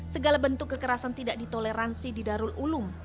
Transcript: segala bentuk kekerasan tidak ditoleransi di darul ulum